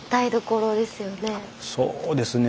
そうですね